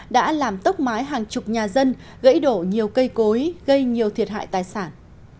đã làm tốc mái hàng chục nhà dân gãy đổ nhiều cây cối gây nhiều thiệt hại tài sản